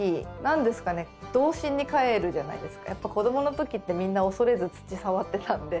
やっぱ子どものときってみんな恐れず土触ってたんで。